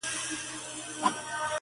د خبرو څخه خبري جوړېږي.